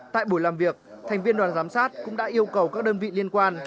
tại buổi làm việc thành viên đoàn giám sát cũng đã yêu cầu các đơn vị liên quan